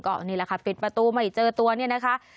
ก็นี่แหละค่ะปิดประตูไม่เจอตัวเนี่ยนะคะ